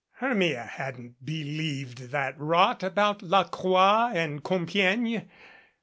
Hermia hadn't believed that rot about La Croix and Compiegne.